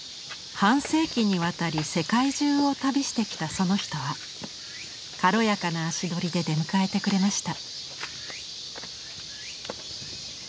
半世紀にわたり世界中を旅してきたその人は軽やかな足取りで出迎えてくれました。